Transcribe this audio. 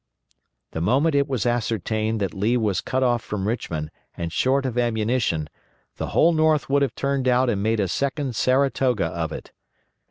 The moment it was ascertained that Lee was cut off from Richmond and short of ammunition the whole North would have turned out and made a second Saratoga of it.